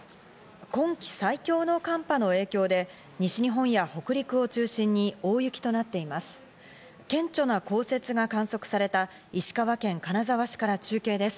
今季最強の寒波の影響で西日本や北陸を中心に大雪となっています。